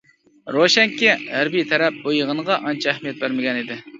روشەنكى، ھەربىي تەرەپ بۇ يىغىنغا ئانچە ئەھمىيەت بەرمىگەن ئىدى.